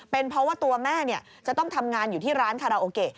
เป็นเพราะว่าตัวแม่จะต้องทำงานอยู่ที่ร้านคาราโอเกะ